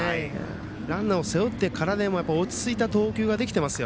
ランナーを背負ってからでも落ち着いた投球ができています。